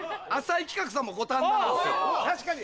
確かに！